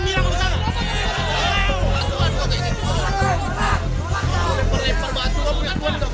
jangan jangan jangan